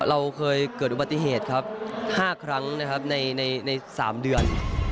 เราเคยเกิดอุบัติเหตุครับ๕ครั้งนะครับใน๓เดือน